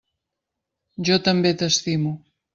Jo també t'estimo.